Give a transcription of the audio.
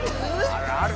あるある！